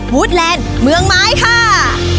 วูดแลนด์เมืองไม้ค่ะ